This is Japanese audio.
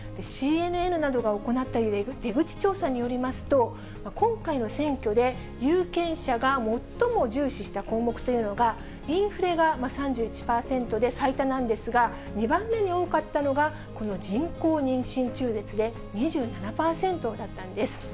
ＣＮＮなどが行った出口調査によりますと、今回の選挙で有権者が最も重視した項目というのが、インフレが３１％で最多なんですが、２番目に多かったのが、この人工妊娠中絶で２７％だったんです。